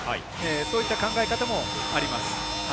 そういった考え方もあります。